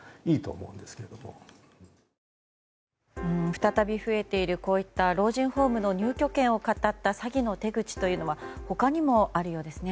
再び増えている老人ホームの入居権をかたった詐欺の手口というのは他にもあるようですね。